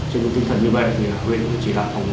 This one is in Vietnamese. trên tinh thần như vậy thì huyện chỉ đạo phòng